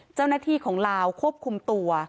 เจ้าหน้าที่ของลาวควบคุมตัว